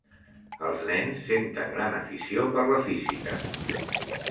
Els nens senten gran afició per la Física.